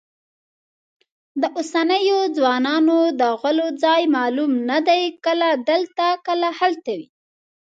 د اوسنیو ځوانانو د غولو ځای معلوم نه دی، کله دلته کله هلته وي.